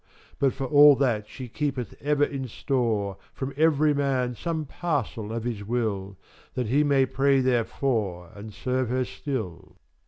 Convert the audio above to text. But for all that she keepeth ever in store, From ev'ry man some parcel of his will, That he may pray therefore and serve her still.